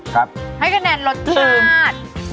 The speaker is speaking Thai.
ครับให้คะแนนรสชาติ